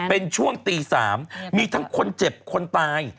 เป็นช่วงตี๓มีทั้งคนเจ็บคนตาย